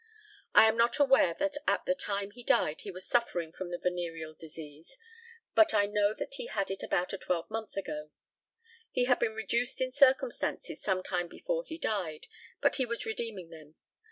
I am not aware that at the time he died he was suffering from the venereal disease, but I know that he had it about a twelvemonth ago. He had been reduced in circumstances some time before he died, but he was redeeming them.